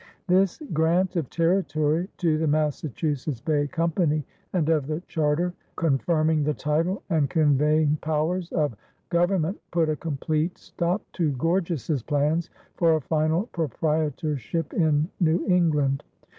This grant of territory to the Massachusetts Bay Company and of the charter confirming the title and conveying powers of government put a complete stop to Gorges's plans for a final proprietorship in New England.